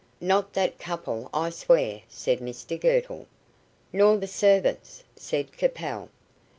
"Not that couple, I'll swear," said Mr Girtle. "Nor the servants," said Capel.